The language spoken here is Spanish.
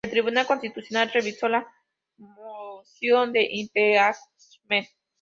El Tribunal Constitucional revisó la moción de impeachment.